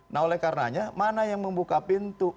nah oleh karenanya mana yang membuka pintu